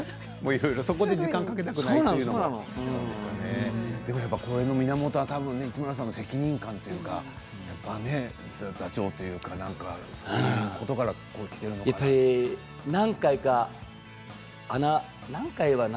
そこに時間をかけたくないとこれの源は市村さんの責任感というか座長というかそういうことからきているのかな